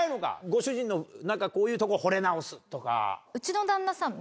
ご主人のこういうとこほれ直すとか。